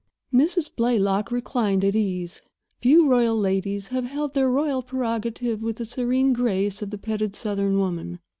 Mrs. Blaylock reclined at ease. Few royal ladies have held their royal prerogative with the serene grace of the petted Southern woman.